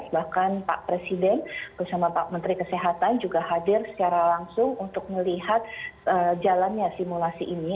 bahkan pak presiden bersama pak menteri kesehatan juga hadir secara langsung untuk melihat jalannya simulasi ini